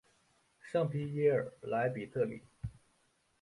圣皮耶尔莱比特里。